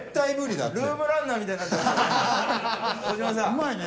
うまいね。